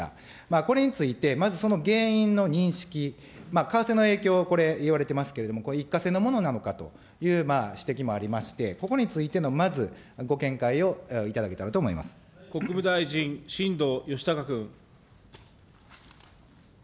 これについて、まずその原因の認識、為替の影響、これ、言われていますけども、一過性のものなのかという指摘もありまして、ここについてのまず、ご見解を頂けた国務大臣、新藤義孝君。